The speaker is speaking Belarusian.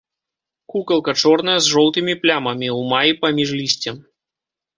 Кукалка чорная з жоўтымі плямамі, у маі паміж лісцем.